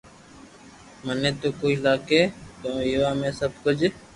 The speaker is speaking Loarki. مني تو ڪوئي لاگي ڪو ويووا ۾ سب ڪجھ